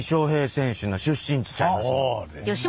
そうですよ